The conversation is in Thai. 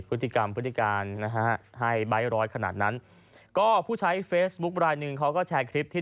พฤติการนะฮะให้บิ๊กร้อยขนาดนั้นก็ผู้ใช้เฟซบุ๊กรายหนึ่งเขาก็แชร์คลิปที่